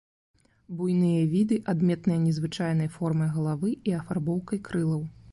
Буйныя віды, адметныя незвычайнай формай галавы і афарбоўкай крылаў.